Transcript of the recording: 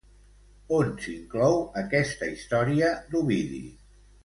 On s'inclou aquesta història d'Ovidi?